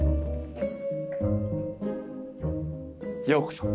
ようこそ。